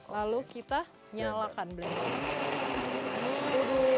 lalu kita nyalakan blender